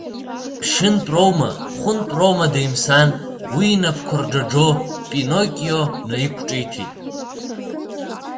Ԥшьынтә роума, хәынтә роума деимсан, уи инапқәа рџаџо пиноккио наиқәҿиҭит…